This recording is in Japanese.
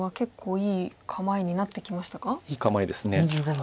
いい構えです。